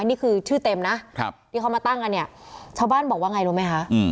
นี่คือชื่อเต็มนะที่เขามาตั้งกันเนี่ยชาวบ้านบอกว่าไงรู้ไหมคะ